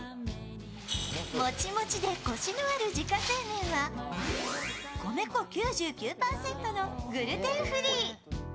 もちもちでコシのある自家製麺は米粉９９％のグルテンフリー。